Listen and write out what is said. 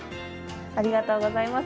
ありがとうございます。